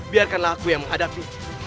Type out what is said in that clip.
biarkanlah aku yang menghadapi